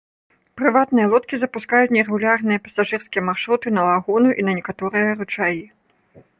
Прыватныя лодкі запускаюць нерэгулярныя пасажырскія маршруты на лагуну і на некаторыя ручаі.